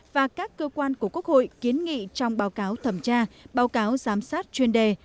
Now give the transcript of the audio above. và các cơ quan của quốc hội kiến nghị trong báo cáo thẩm tra báo cáo giám sát chuyên đề